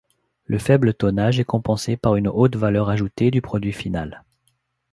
Le faible tonnage est compensé par une haute valeur ajoutée du produit final.